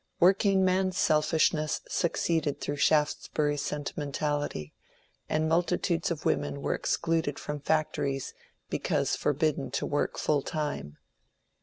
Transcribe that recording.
Workingman selfishness succeeded through Shaftesbury's sentimentality, and multitudes of women were excluded from factories because forbidden to work full time.